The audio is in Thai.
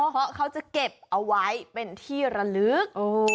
เพราะเขาจะเก็บเอาไว้เป็นที่ระลึก